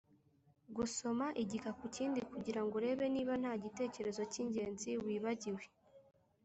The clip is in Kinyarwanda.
gusoma igika ku kindi, kugira ngo urebe niba nta gitekerezo k’ingenzi wibagiwe.